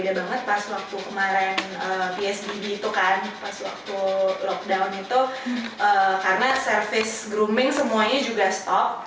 beda banget pas waktu kemarin psbb itu kan pas waktu lockdown itu karena service grooming semuanya juga stop